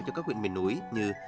cho các huyện miền núi như